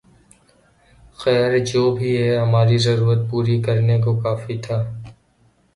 خیر جو بھی ہو ، ہماری ضرورت پوری کرنے کو کافی تھا